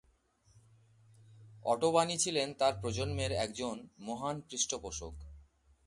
অটোবানি ছিলেন তার প্রজন্মের একজন মহান পৃষ্ঠপোষক।